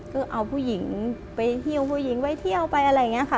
ก็เอาผู้หญิงไปเที่ยวผู้หญิงไปเที่ยวไปอะไรอย่างนี้ค่ะ